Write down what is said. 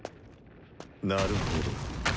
なるほど。